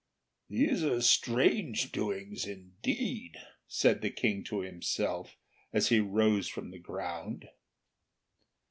"These are strange doings indeed," said the King to himself, as he rose from the ground.